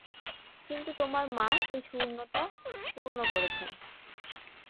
কিন্তু তোমার মা সেই শূন্যতা পূর্ণ করেছেন।